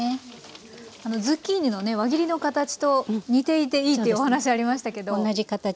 ズッキーニの輪切りの形と似ていていいというお話ありましたけど。